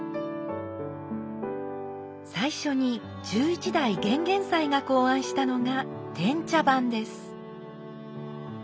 最初に十一代玄々斎が考案したのが「点茶盤」です。